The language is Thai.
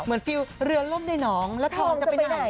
เหมือนฟิวเรือนร่มในหนองแล้วทองจะไปไหน